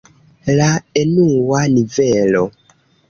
La enua nivelo.